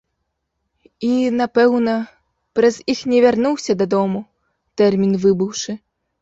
І, напэўна, праз іх не вярнуўся дадому, тэрмін выбыўшы.